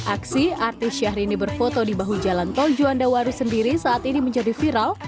aksi artis syahrini berfoto di bahu jalan tol juanda waru sendiri saat ini menjadi viral